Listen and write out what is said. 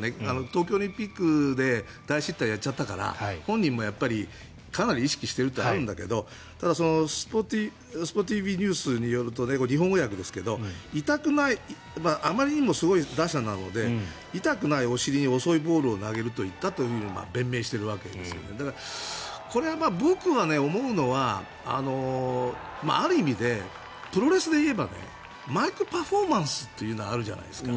東京オリンピックで大失態をやっちゃったから本人もかなり意識しているとは思うんだけど報道では、日本語訳ですけどあまりにもすごい打者なので痛くないお尻に遅いボールを投げると言ったと弁明しているわけですがこれは僕は思うのはある意味でプロレスでいえばマイクパフォーマンスというのがあるじゃないですか。